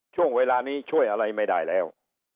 ช่วงเวลานี้ช่วยอะไรไม่ได้แล้ว